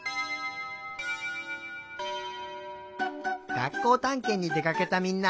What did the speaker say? がっこうたんけんにでかけたみんな。